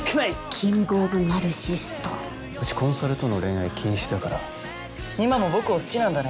キングオブナルシストうちコンサルとの恋愛禁止だから今も僕を好きなんだね